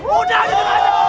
udah gitu aja